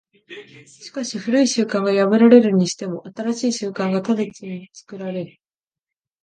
しかし旧い習慣が破られるにしても、新しい習慣が直ちに作られる。